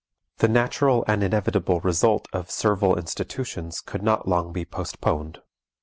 The natural and inevitable result of servile institutions could not long be postponed.